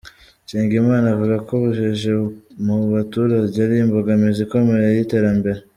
Nsengimana avuga ko ubujiji mu baturage ari imbogamizi ikomeye y’iterambere.